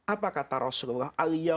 apa kata rasulullah